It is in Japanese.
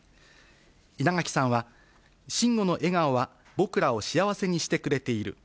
稲垣さんは、慎吾の笑顔は僕らを幸せにしてくれている。